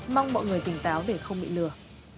mong mọi người tỉnh táo để không bị lừa